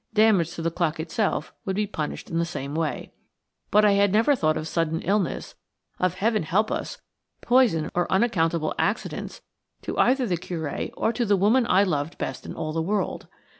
Damage to the clock itself would be punished in the same way. But I had never thought of sudden illnesses, of–heaven help us!–poison or unaccountable accidents to either the Curé or to the woman I loved best in all the world.